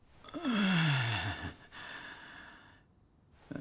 あ。